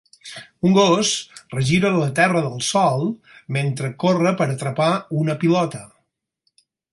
Un gos regira la terra del sòl mentre corre per a atrapar una pilota.